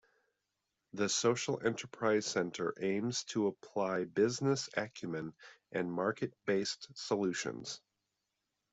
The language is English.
The Social Enterprise Center aims to apply business acumen and market-based solutions.